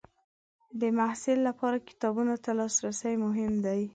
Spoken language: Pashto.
د محصل لپاره کتابونو ته لاسرسی مهم دی.